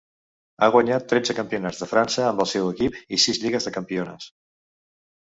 Ha guanyat tretze campionats de França amb el seu equip i sis lligues de campiones.